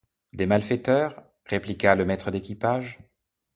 Des malfaiteurs ?… répliqua le maître d’équipage.